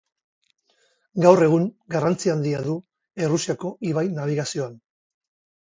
Gaur egun garrantzi handia du Errusiako ibai nabigazioan.